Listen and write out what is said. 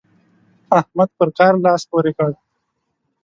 احمد پر کار لاس پورې کړ.